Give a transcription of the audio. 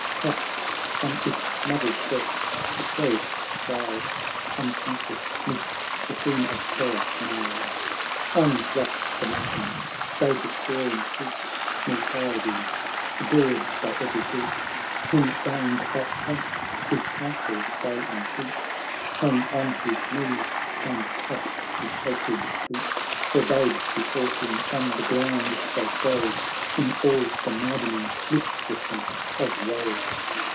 Hushed on its mother's breast, the cherished child, . Unconscious midst the scene of terror, smiled. On rush the matrons, they despairing seek Miltiades, adored by every Greek ; Him found at length, his counsels they entreat, Hang on his knees and clasp his sacred feet ; Their babes before him on the ground they throw In all the maddening listlessness of woe.